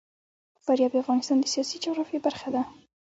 فاریاب د افغانستان د سیاسي جغرافیه برخه ده.